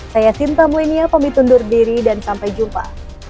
saya sinta munia pamit undur diri dan sampai jumpa